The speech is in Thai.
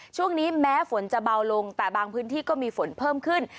ช่วงนี้แม้ฝนจะเบาลงแต่บางพื้นที่ก็มีฝนเพิ่มขึ้น